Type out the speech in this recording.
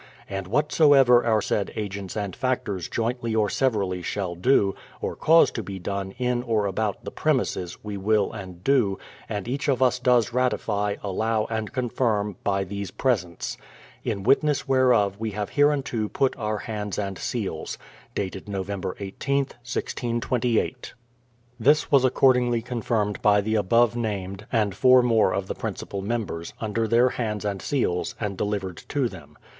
And whatsoever our said agents and factors jointly or severally shall do, or cause to be done, in or about the premises, we will and do, and each of us does ratify, allow, and confirm, by these presents. In witness whereof we have hereunto put our hands and seals. Dated November i8th, 1628. This was accordingly confirmed by the above named, and four more of the principal members, under their hands and seals, and delivered to them.